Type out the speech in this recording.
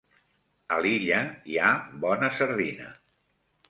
A l'illa hi ha bona sardina.